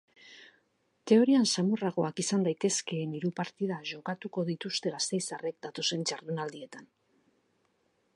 Teorian samurragoak izan daitezkeen hiru partida jokatuko dituzte gasteiztarrek datozen jardunaldietan.